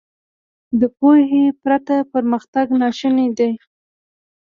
• د پوهې پرته پرمختګ ناشونی دی.